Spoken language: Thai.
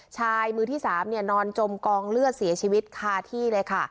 ชายมือที่๓นอนจมกองเลือดเสียชีวิตคาที่เลยค่ะ